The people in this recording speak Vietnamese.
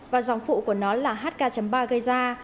và dòng phụ của nó là hk ba gây ra